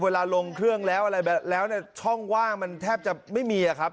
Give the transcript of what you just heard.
ลงเครื่องแล้วอะไรแล้วเนี่ยช่องว่างมันแทบจะไม่มีอะครับ